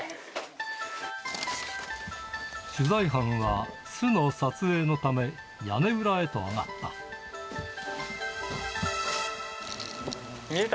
取材班は、巣の撮影のため屋根裏へと上がった。